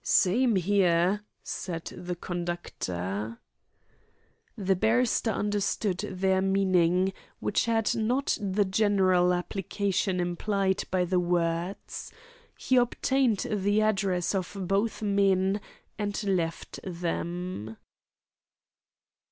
"Same 'ere," said the conductor. The barrister understood their meaning, which had not the general application implied by the words. He obtained the addresses of both men and left them.